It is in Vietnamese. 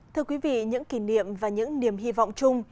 thưa quý vị những kỷ niệm và những niềm hy vọng chung